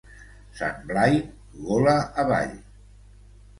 Sant Blai, gola avall!